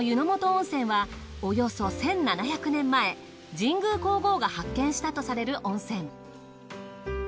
本温泉はおよそ１７００年前神功皇后が発見したとされる温泉。